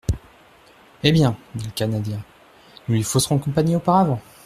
—Eh bien, dit le Canadien, nous lui fausserons compagnie auparavant.